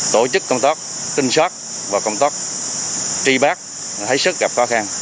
tổ chức công tác tinh soát và công tác tri bác thấy sức gặp khó khăn